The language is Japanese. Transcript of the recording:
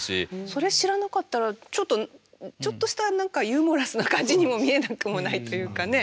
それ知らなかったらちょっとちょっとした何かユーモラスな感じにも見えなくもないというかね。